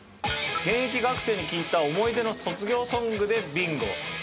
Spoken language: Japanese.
現役学生に聞いた思い出の卒業ソングでビンゴ。